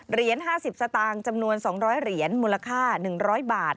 ๕๐สตางค์จำนวน๒๐๐เหรียญมูลค่า๑๐๐บาท